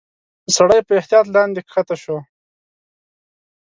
سړی په احتياط لاندي کښته شو.